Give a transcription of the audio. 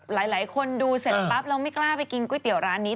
หลายคนดูเสร็จปั๊บเราไม่กล้าไปกินก๋วยเตี๋ยวร้านนี้